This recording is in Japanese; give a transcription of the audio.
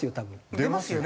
出ますよね。